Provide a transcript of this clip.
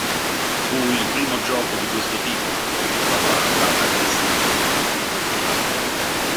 Fu il primo gioco di questo tipo prodotto dalla Data East.